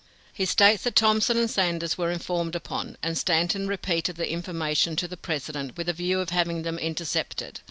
He states that Thompson and Sanders were informed upon, and Stanton repeated the information to the President with a view of having them intercepted.